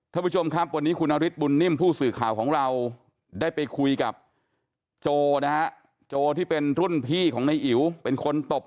ท่านผู้ชมครับวันนี้คุณนฤทธบุญนิ่มผู้สื่อข่าวของเราได้ไปคุยกับโจนะฮะโจที่เป็นรุ่นพี่ของนายอิ๋วเป็นคนตบ